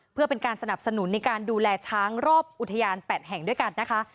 เพื่อเป็นการสนับสนุนในการดูแลช้างรอบอุทยาน๘แห่งด้วยกันนะคะ